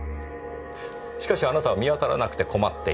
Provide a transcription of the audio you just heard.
しかしあなたは見当たらなくて困っていた。